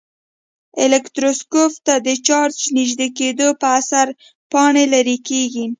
الکتروسکوپ ته د چارج نژدې کېدو په اثر پاڼې لیري کیږي.